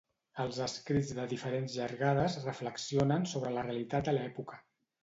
Els escrits de diferents llargades reflexionen sobre la realitat de l'època.